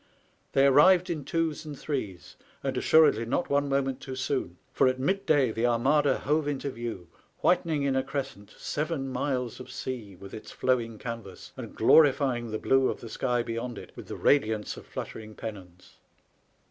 They arrived in twos and threes, and assuredly not one moment too soon ; for at midday the Armada hove into view, whitening in a crescent seven miles of sea with its flowing canvas, and glorifying the blue of the sky beyond it with the radiance of fluttering pennons.